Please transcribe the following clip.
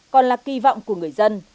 còn là kỳ vọng của người dân